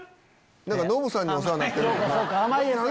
ノブさんにお世話になってるよな。